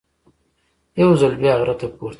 یو ځل بیا غره ته پورته شي.